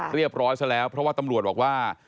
เรียบร้อยซะแล้วเพราะว่าตำรวจบอกว่า